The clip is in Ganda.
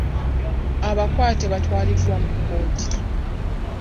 Abakwate baatwaliddwa mu kkooti.